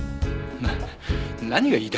な何が言いたいの？